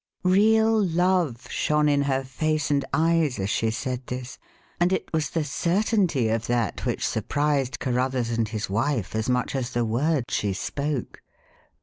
Real love shone in her face and eyes as she said this, and it was the certainty of that which surprised Carruthers and his wife as much as the words she spoke.